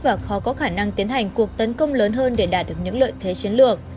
và khó có khả năng tiến hành cuộc tấn công lớn hơn để đạt được những lợi thế chiến lược